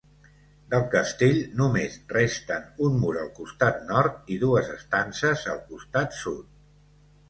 Del castell, només resten un mur al costat nord i dues estances al costat sud.